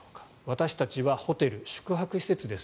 私たちはホテル、宿泊施設です。